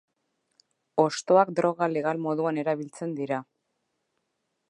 Hostoak droga legal moduan erabiltzen dira.